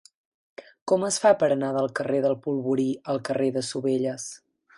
Com es fa per anar del carrer del Polvorí al carrer de Sovelles?